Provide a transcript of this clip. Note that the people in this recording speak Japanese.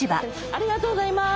ありがとうございます。